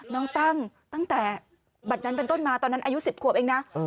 น้องตั้งตั้งแต่บัตรนั้นเป็นต้นมาตอนนั้นอายุ๑๐ขวบเองนะ